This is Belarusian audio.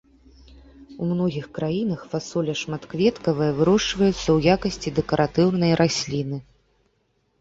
У многіх краінах фасоля шматкветкавая вырошчваецца ў якасці дэкаратыўнай расліны.